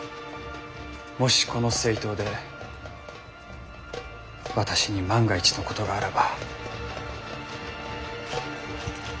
もしこの征討で私に万が一のことがあらば。